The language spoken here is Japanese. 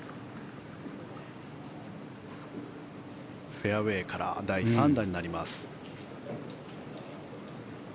フェアウェーから第３打になります。